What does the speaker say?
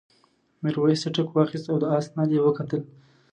میرويس څټک واخیست او د آس نال یې وکتل.